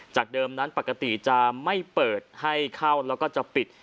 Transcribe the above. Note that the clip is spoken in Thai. เดิมนั้นปกติจะไม่เปิดให้เข้าแล้วก็จะปิด